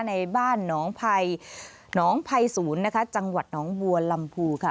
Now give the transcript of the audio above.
ในบ้านน้องภัยศูนย์นะคะจังหวัดน้องวัวลำภูค่ะ